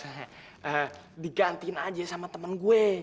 saya digantiin aja sama temen gue